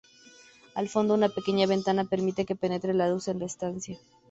Al fondo, una pequeña ventana permite que penetre la luz en la estancia.